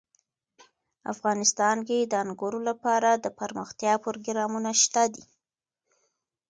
افغانستان کې د انګورو لپاره دپرمختیا پروګرامونه شته دي.